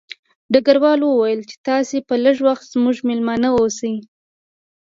ډګروال وویل چې تاسې به لږ وخت زموږ مېلمانه اوسئ